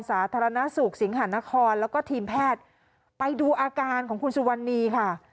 สาธารณสุขสิงหานครแล้วก็ทีมแพทย์ไปดูอาการของคุณสุวรรณีค่ะ